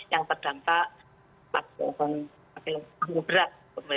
yang terdampak makin berat